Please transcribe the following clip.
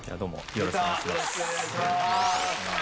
よろしくお願いします。